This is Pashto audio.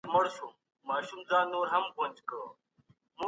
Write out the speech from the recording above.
ايا سياستوال د خپل توان سره سم پرواز کوي؟